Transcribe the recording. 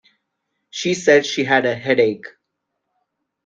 She said she had a headache.